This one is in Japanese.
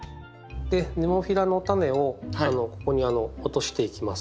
ネモフィラのタネをここに落としていきます。